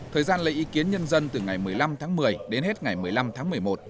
thời gian lấy ý kiến nhân dân từ ngày một mươi năm tháng một mươi đến hết ngày một mươi năm tháng một mươi một